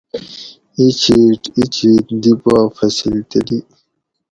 اِچِھیٹ اِچِھیت دی پا فصِل تلی